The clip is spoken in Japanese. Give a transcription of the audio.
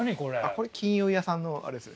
これ金融屋さんのあれですね。